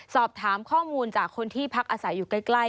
สอบถามข้อมูลจากคนที่พักอาศัยอยู่ใกล้